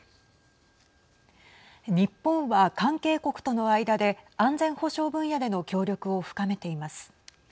日本は関係国との間で安全保障分野での協力を深めています。